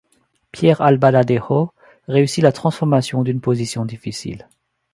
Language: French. Pierre Albaladejo réussit la transformation d'une position difficile.